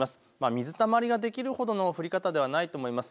水たまりができるほどの降り方ではないと思います。